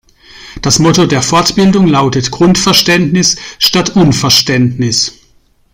Das Motto der Fortbildung lautet Grundverständnis statt Unverständnis.